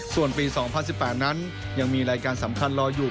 ส่วนปี๒๐๑๘นั้นยังมีรายการสำคัญรออยู่